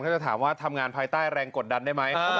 ถ้าจะถามว่าทำงานภายใต้แรงกดดันได้ไหม